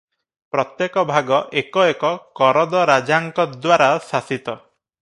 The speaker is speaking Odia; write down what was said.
ପ୍ରତ୍ୟେକ ଭାଗ ଏକ ଏକ କରଦରାଜାଙ୍କଦ୍ୱାରା ଶାସିତ ।